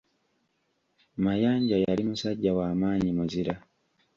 Mayanja yali musajja wa maanyi muzira.